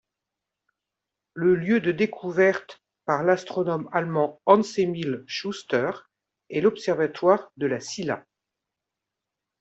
Le lieu de découverte, par l'astronome allemand Hans-Emil Schuster, est l'Observatoire de La Silla.